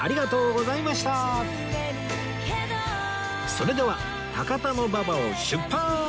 それでは高田馬場を出発！